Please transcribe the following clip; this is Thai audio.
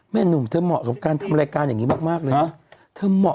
หนุ่มเธอเหมาะกับการทำรายการอย่างนี้มากเลยนะ